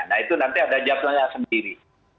nah itu nanti ada jadwalnya sendiri